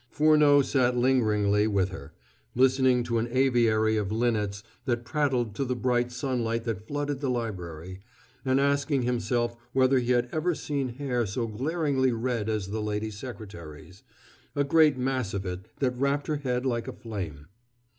Furneaux sat lingeringly with her, listening to an aviary of linnets that prattled to the bright sunlight that flooded the library, and asking himself whether he had ever seen hair so glaringly red as the lady secretary's a great mass of it that wrapped her head like a flame.